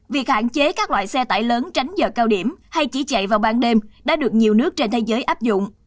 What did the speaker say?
việc hạn chế các loại xe tải lớn tránh giờ cao điểm hay chỉ chạy vào ban đêm đã được nhiều nước trên thế giới áp dụng